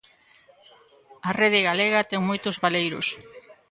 A rede galega ten moitos baleiros.